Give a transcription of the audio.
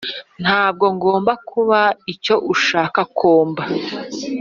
ntabwo ngomba kuba icyo ushaka ko mba.